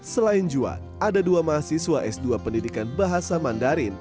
selain juan ada dua mahasiswa s dua pendidikan bahasa mandarin